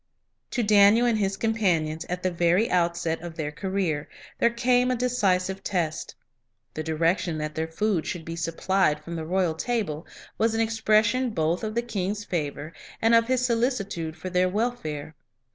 To Daniel and his companions, at the very outset of their career, there came a decisive test. The direction that their food should be supplied from the royal table Lives of Great Men 55 was an expression both of the king's favor and of his solicitude for their welfare.